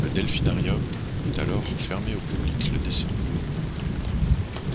Le delphinarium est alors fermé au public le décembre.